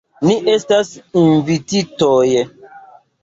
Ni estas invititoj.